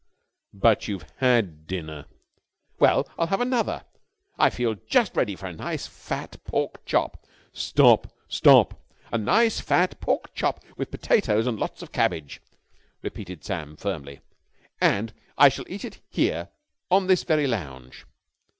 "But you've had dinner." "Well, I'll have another. I feel just ready for a nice fat pork chop...." "Stop. Stop!" "A nice fat pork chop with potatoes and lots of cabbage," repeated Sam, firmly. "And I shall eat it here on this very lounge.